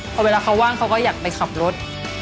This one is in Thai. พอเวลาเขาว่างเขาก็อยากไปขับรถ